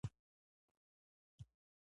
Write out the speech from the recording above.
د اشنا غږ ژر پیژندل کېږي